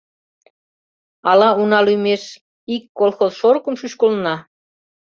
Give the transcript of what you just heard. Ала уна лӱмеш ик колхоз шорыкым шӱшкылына?